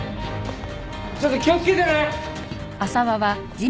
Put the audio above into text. ちょっと気をつけてね！